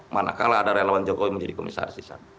manakala ada relawan jokowi menjadi komisaris di sana